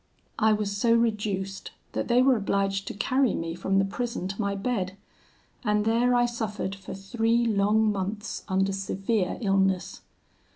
"I was so reduced, that they were obliged to carry me from the prison to my bed, and there I suffered for three long months under severe illness.